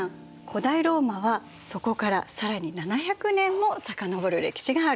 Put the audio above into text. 古代ローマはそこから更に７００年も遡る歴史があるの。